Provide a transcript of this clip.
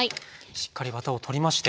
しっかりワタを取りまして。